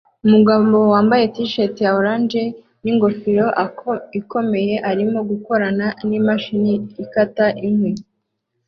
Umugabo wambaye t-shati ya orange ningofero ikomeye arimo gukorana nimashini ikata inkwi